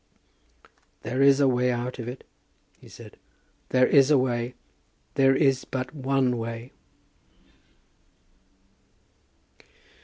"There is a way out of it," he said. "There is a way. There is but one way."